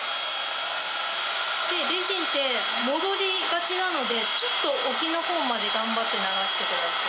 レジンって戻りがちなのでちょっと沖の方まで頑張って流してください。